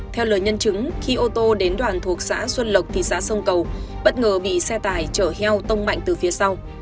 theo lời nhân chứng khi ô tô đến đoàn thuộc xã xuân lộc thị xã sông cầu bất ngờ bị xe tài chở heo tông mạnh từ phía sau